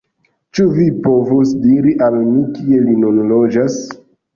Ĉu vi povus diri al mi kie li nun loĝas?